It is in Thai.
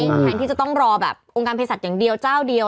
แทนที่จะต้องรอแบบองค์การเพศัตวอย่างเดียวเจ้าเดียว